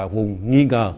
vùng nghi ngờ